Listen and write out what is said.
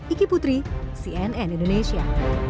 iki putri cnn indonesia